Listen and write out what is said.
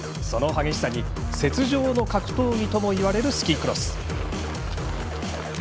その激しさに雪上の格闘技ともいわれるスキークロス。